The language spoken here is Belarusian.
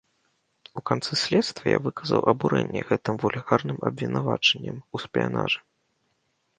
У канцы следства я выказаў абурэнне гэтым вульгарным абвінавачаннем у шпіянажы.